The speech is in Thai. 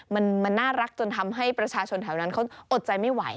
มันน่ารักจนทำให้ประชาชนแถวนั้นเขาอดใจไม่ไหว